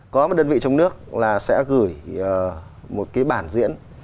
có một đơn vị trong nước là sẽ gửi một cái bản diễn